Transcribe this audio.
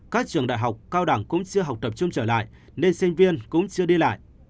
các trường đại học cao đẳng cũng chưa học tập trung trở lại nên sinh viên cũng chưa đi lại